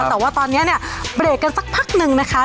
แต่ว่าตอนนี้เนี่ยเบรกกันสักพักนึงนะคะ